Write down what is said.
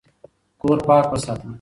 کور پاک وساته